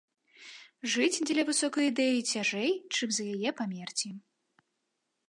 Жыць дзеля высокай ідэі цяжэй, чым за яе памерці.